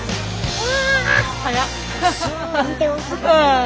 うわ！